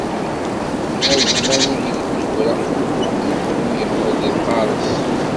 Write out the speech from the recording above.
A zzman ideg d-negra, leḥlu yeqqel d lqareṣ.